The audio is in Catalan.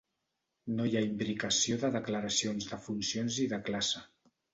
No hi ha imbricació de declaracions de funcions i de classe.